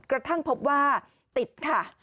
กระทั่งพบว่าติดค่ะ